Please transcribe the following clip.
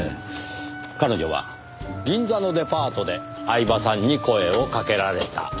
彼女は銀座のデパートで饗庭さんに声をかけられた。